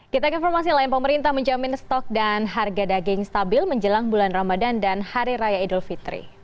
kita ke informasi lain pemerintah menjamin stok dan harga daging stabil menjelang bulan ramadan dan hari raya idul fitri